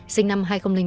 sinh năm hai nghìn một